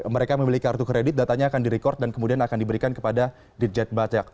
mereka memiliki kartu kredit datanya akan direkord dan kemudian akan diberikan kepada ditjen pajak